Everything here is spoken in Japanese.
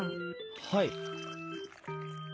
はい。